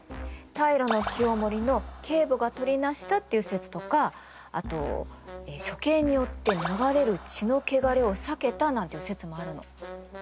平清盛の継母がとりなしたっていう説とかあと処刑によって流れる血の穢れを避けたなんていう説もあるの。